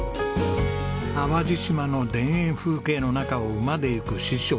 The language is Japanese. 淡路島の田園風景の中を馬で行く師匠と弟子。